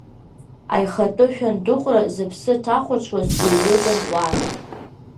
Аихатәы шәандыҟәра зыԥсы ҭахәаҽуаз диҩызан уан.